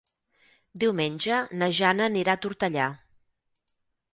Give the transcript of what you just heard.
Diumenge na Jana anirà a Tortellà.